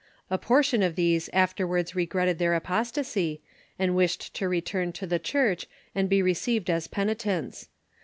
A portion of these afterwards i egretted their apostasy, and wished K ms^c^Si"nl t^ r^tm n to the Church and be received as peni tents.